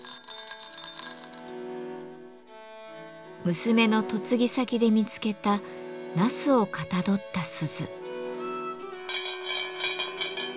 娘の嫁ぎ先で見つけた茄子をかたどった鈴。